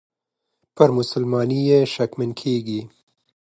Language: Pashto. پر مسلماني یې شکمن کیږي.